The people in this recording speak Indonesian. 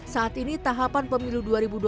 saat ini tahapan pemilu dua ribu dua puluh